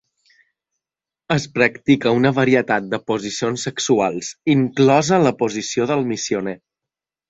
Es practica una varietat de posicions sexuals, inclosa la posició del missioner.